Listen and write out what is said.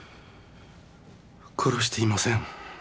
殺していません